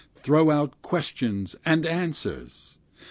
throw out questions and answers!